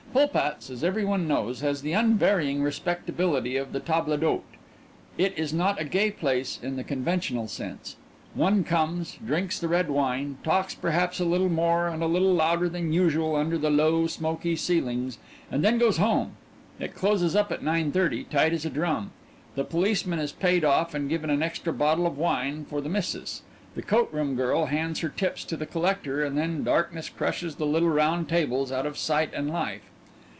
Pulpat's, as every one knows, has the unvarying respectability of the table d'hôte. It is not a gay place in the conventional sense. One comes, drinks the red wine, talks perhaps a little more and a little louder than usual under the low, smoky ceilings, and then goes home. It closes up at nine thirty, tight as a drum; the policeman is paid off and given an extra bottle of wine for the missis, the coat room girl hands her tips to the collector, and then darkness crushes the little round tables out of sight and life.